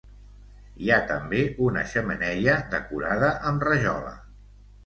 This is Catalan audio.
Hi ha també una xemeneia decorada amb rajola.